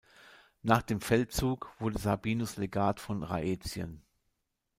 Nach dem Feldzug wurde Sabinus Legat von Raetien.